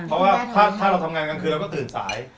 เพราะว่าถ้าเราทำงานกลางคืนเราก็ตื่นสาย